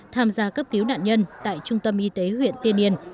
tham gia cấp cứu nạn nhân tại trung tâm y tế huyện tiên yên